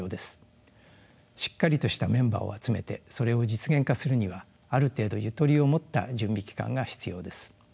しっかりとしたメンバーを集めてそれを実現化するにはある程度ゆとりを持った準備期間が必要です。